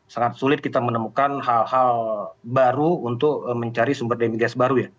sangat sulit kita menemukan hal hal baru untuk mencari sumber daya migas baru ya